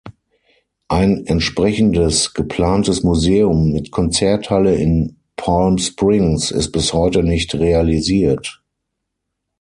Ein entsprechendes geplantes Museum mit Konzerthalle in Palm Springs ist bis heute nicht realisiert.